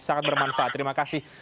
sangat bermanfaat terima kasih